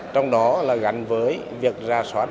trong đó là gắn với việc ra soát